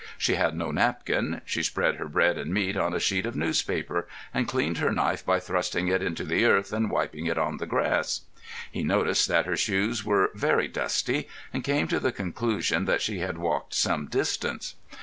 She had no napkin. She spread her bread and meat on a sheet of newspaper, and cleaned her knife by thrusting it into the earth and wiping it on the grass. He noticed that her shoes were very dusty, and came to the conclusion that she had walked some distance.